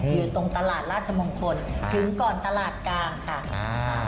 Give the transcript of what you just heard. อยู่ตรงตลาดราชมงคลถึงก่อนตลาดกลางค่ะอ่า